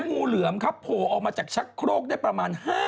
งูเหลือมครับโผล่ออกมาจากชักโครกได้ประมาณ